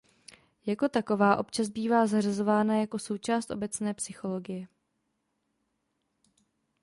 Jako taková občas bývá zařazována jako součást obecné psychologie.